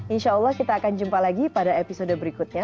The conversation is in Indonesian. insya allah kita akan jumpa lagi pada episode berikutnya